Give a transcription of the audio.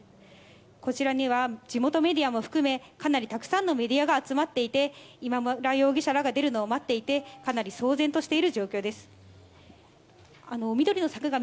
こちらには地元メディアも含め、かなりたくさんのメディアが集まっていて、今村容疑者らが出るのを待っていて、かなり騒然としている状況です。